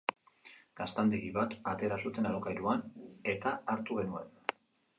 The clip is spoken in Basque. Gaztandegi bat atera zuten alokairuan eta hartu genuen.